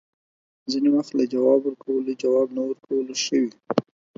ځینې وخت له جواب ورکولو، جواب نه ورکول ښه وي